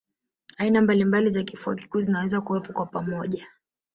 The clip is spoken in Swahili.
Aina mbalimbali za kifua kikuu zinaweza kuwepo kwa pamoja